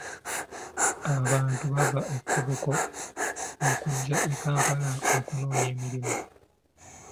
Abantu bava e Koboko okujja e Kampala okunoonya emirimu.